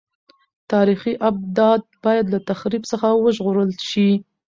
تاریخي ابدات باید له تخریب څخه وژغورل شي.